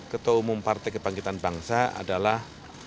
ketua umum partai kebangkitan bangsa adalah